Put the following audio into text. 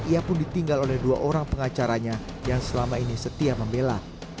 ia pun ditinggal oleh dua orang pengacaranya yang selama ini setia membela